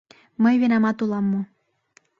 Мый винамат улам мо